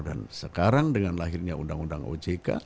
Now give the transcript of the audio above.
dan sekarang dengan lahirnya undang undang ojk